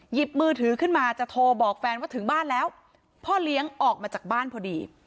หยิบมือถือขึ้นมาจะโทรบอกแฟนว่าถึงบ้านแล้วพ่อเลี้ยงออกมาจากบ้านพอดี